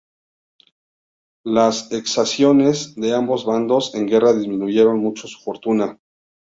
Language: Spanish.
Las exacciones de ambos bandos en guerra disminuyeron mucho su fortuna.